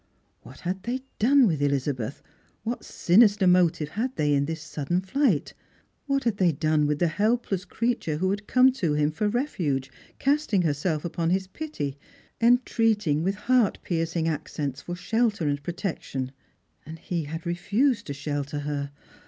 What had they done with Elizabeth ? What sinister motive had they in this sudden flight ? ^Vhat had they done with the helpless creature who had come to him for refuge, casting herself upon his pity, entreating with heart piercing ac cents for shelter and protection ? And he had refused to shelter her.